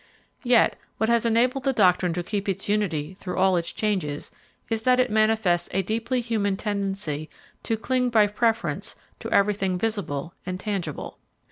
Yet what has enabled the doctrine to keep its unity through all its changes is that it manifests a deeply human tendency to cling by preference to everything visible and tangible.